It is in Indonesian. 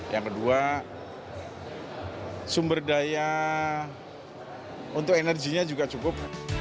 yang kedua sumber daya untuk energinya juga cukup